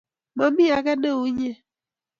Momi ake neuinye